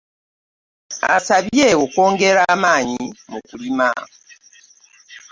Abasabye okwongera amaanyi mu kulima.